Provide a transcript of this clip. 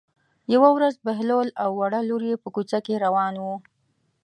یوه ورځ بهلول او وړه لور یې په کوڅه کې روان وو.